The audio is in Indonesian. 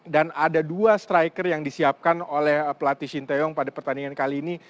dan ada dua striker yang disiapkan oleh pelatih shinteong pada pertandingan kali ini